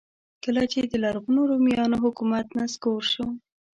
کله چې د لرغونو رومیانو حکومت نسکور شو.